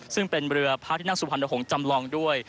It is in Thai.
ซึ่งเป็นเรือพระที่นั่งสุพรรณหงษ์จำลองด้วย